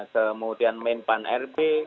kemudian menpan rd